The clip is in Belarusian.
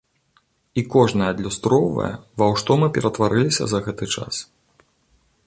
І кожная адлюстроўвае, у ва што мы пераўтварыліся за гэты час.